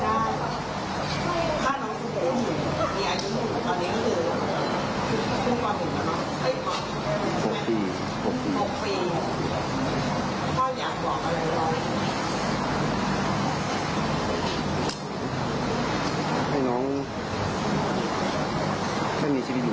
ถามเป็นก็ได้หรือครับถ้าน้องสุภุมีอายุหมดมาตอนนี้ก็คือ